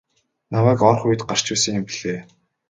Намайг орох үед гарч байсан юм билээ.